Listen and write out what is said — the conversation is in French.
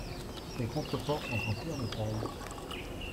Ces contreforts sont en pierre de taille.